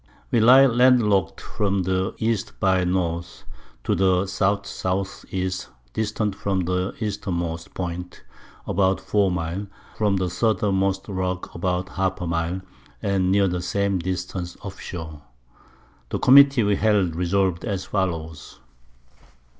We lie land lockt from the E. by N. to the S. S. E. distant from the Eastermost Point about 4 Mile, from the Southermost Rock about half a Mile, and near the same Distance off Shore. The Committee we held resolv'd as follows.